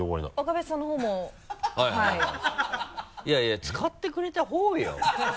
いやいや使ってくれたほうよ。